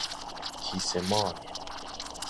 کیسه مال